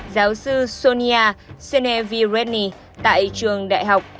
giáo sư sonia senevireni tại trường đại học